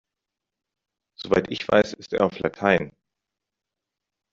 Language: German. Soweit ich weiß, ist er auf Latein.